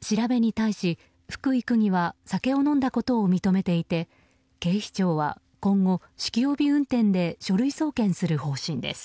調べに対し、福井区議は酒を飲んだことを認めていて警視庁は今後、酒気帯び運転で書類送検する方針です。